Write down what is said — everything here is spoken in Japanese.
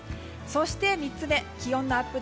そして、３つ目気温のアップ